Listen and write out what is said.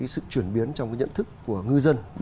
sự chuyển biến trong nhận thức của ngư dân